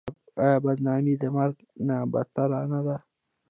آیا بدنامي د مرګ نه بدتره نه ده؟